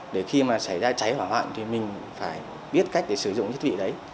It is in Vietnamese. để khi mà xảy ra cháy hỏa hoạn thì mình phải biết cách để sử dụng thiết bị đấy